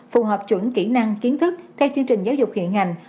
phù hợp chuẩn kỹ năng kiến thức theo chương trình giáo dục hiện hành